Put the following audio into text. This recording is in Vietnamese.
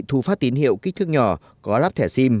thu phát tín hiệu kích thước nhỏ có lắp thẻ sim